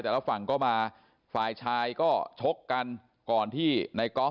ตกลงกันไม่ได้ตกตีอะไรนะครับ